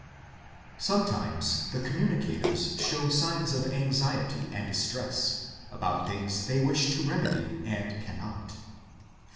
1 Sometimes the communicators show signs of anxiety and distress, about things they wish to remedy and cannot.